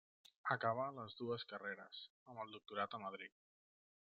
Acabà les dues carreres, amb el doctorat a Madrid.